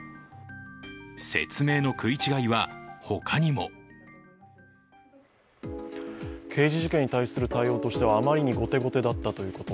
説明の食い違いは他にも刑事事件に対する対応としてはあまりに後手後手だったということ。